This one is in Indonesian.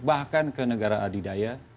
bahkan ke negara adidaya